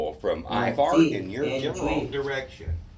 Ma utsi, en chui